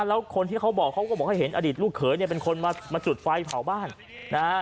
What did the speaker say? แล้วคนที่เขาบอกเขาก็บอกให้เห็นอดีตลูกเขยเนี่ยเป็นคนมาจุดไฟเผาบ้านนะฮะ